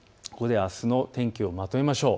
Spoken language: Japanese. あすの天気をまとめましょう。